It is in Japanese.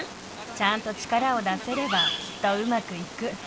ちゃんと力を出せればきっとうまくいく。